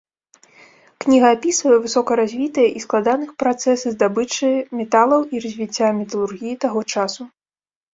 Кніга апісвае высокаразвітыя і складаных працэсы здабычы металаў і развіцця металургіі таго часу.